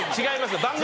違いますよ